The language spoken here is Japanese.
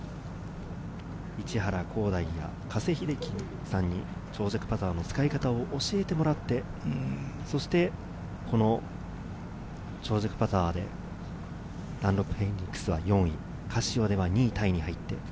市原弘大や加瀬秀樹さんに長尺パターの使い方を教えてもらって、そしてこの長尺パターでダンロップフェニックスは４位、カシオでは２位タイに入っている。